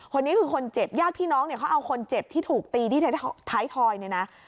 คนนี้คือคนเจ็บญาติพี่น้องเนี่ยเขาเอาคนเจ็บที่ถูกตีที่ท้ายทอยเนี่ยนะ